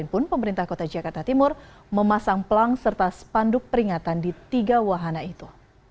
pun pemerintah kota jakarta timur memasang pelang serta spanduk peringatan di tiga wahana itu